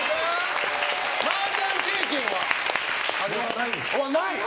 マージャン経験は？